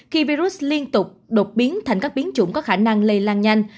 khi virus liên tục đột biến thành các biến chủng có khả năng lây lan nhanh